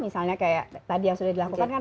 misalnya kayak tadi yang sudah dilakukan kan